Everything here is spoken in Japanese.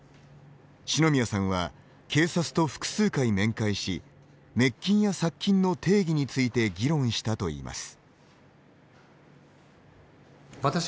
四ノ宮さんは警察と複数回面会し滅菌や殺菌の定義について議論したといいます。